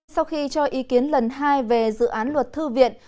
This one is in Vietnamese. sau khi cho ý kiến lần hai về dự án luật thư viện